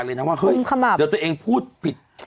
เดียวตัวเองพูดผิด